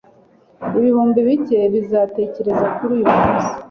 Ibihumbi bike bazatekereza kuri uyumunsi